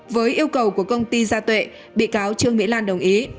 với yêu cầu của công ty gia tuệ bị cáo trương mỹ lan đồng ý